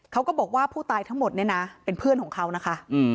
เขาก็บอกว่าผู้ตายทั้งหมดเนี่ยนะเป็นเพื่อนของเขานะคะ